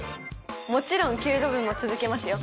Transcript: もちろん弓道部も続けますよ